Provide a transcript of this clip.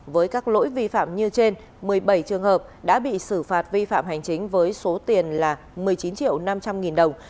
với các lỗi vi phạm như trên một mươi bảy trường hợp đã bị xử phạt vi phạm hành chính với số tiền là một mươi chín triệu năm trăm linh nghìn đồng